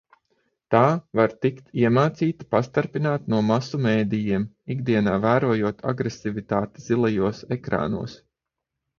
Tā var tikt iemācīta pastarpināti no masu medijiem, ikdienā vērojot agresivitāti zilajos ekrānos.